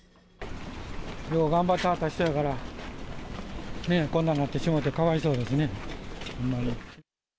よう頑張ってはった人やから、こんなんなってしもうて、かわいそうですね、ほんまに。